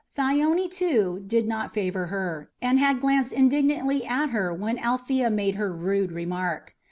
Thyone, too, did not favour her, and had glanced indignantly at her when Althea made her rude remark.